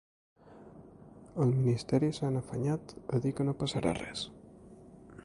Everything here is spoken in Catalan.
Al ministeri s’han afanyat a dir que no passarà res.